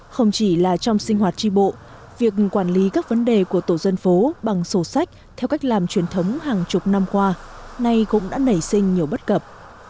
không chỉ là trong sinh hoạt tri bộ việc quản lý các vấn đề của tổ dân phố bằng sổ sách theo cách làm truyền thống hàng chục năm qua nay cũng đã nảy sinh nhiều bất cập